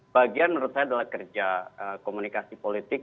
bagian menurut saya adalah kerja komunikasi politik